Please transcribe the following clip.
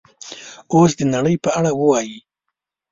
اوس د نړۍ په اړه ووایئ